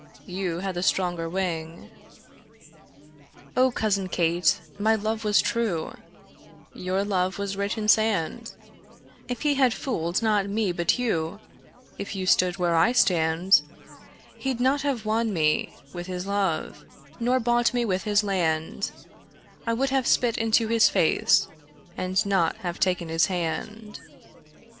You had the stronger wing. O cousin Kate, my love was true, Your love was writ in sand: If he had fooled not me but you, If you stood where I stand, He'd not have won me with his love Nor bought me with his land; I would have spit into his face And not have taken his hand.